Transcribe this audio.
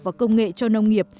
và công nghệ cho nông nghiệp